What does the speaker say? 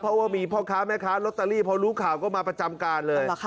เพราะว่ามีพ่อค้าแม่ค้าลอตเตอรี่พอรู้ข่าวก็มาประจำการเลย